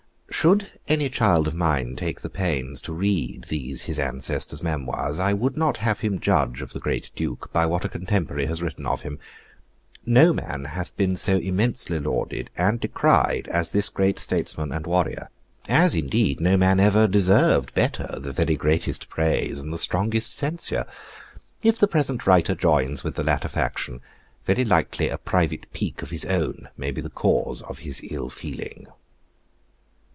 Should any child of mine take the pains to read these his ancestor's memoirs, I would not have him judge of the great Duke* by what a contemporary has written of him. No man hath been so immensely lauded and decried as this great statesman and warrior; as, indeed, no man ever deserved better the very greatest praise and the strongest censure. If the present writer joins with the latter faction, very likely a private pique of his own may be the cause of his ill feeling.